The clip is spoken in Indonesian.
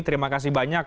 terima kasih banyak